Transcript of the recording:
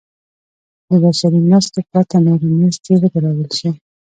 د بشري مرستو پرته نورې مرستې ودرول شي.